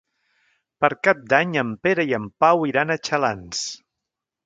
Per Cap d'Any en Pere i en Pau iran a Xalans.